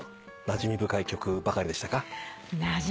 なじみ深い曲ばかりでした。